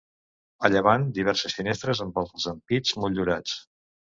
A llevant diverses finestres amb els ampits motllurats.